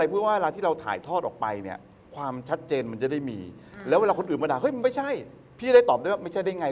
ไม่ใช่พี่ได้ตอบได้ว่าไม่ใช่ได้ยังไง